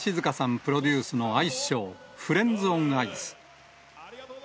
プロデュースのアイスショー、フレンズオンアイス。